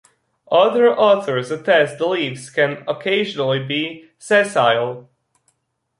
Other authors attest the leaves can occasionally be sessile.